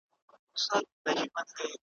تر ماښام پوري به ګورو چي تیاره سي ,